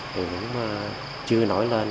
thì cũng chưa nổi lên